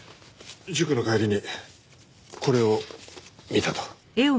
塾の帰りにこれを見たと。